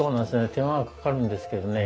手間がかかるんですけどね